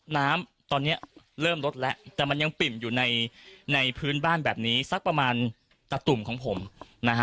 น้ำตอนนี้เริ่มลดแล้วแต่มันยังปิ่มอยู่ในพื้นบ้านแบบนี้สักประมาณตะตุ่มของผมนะฮะ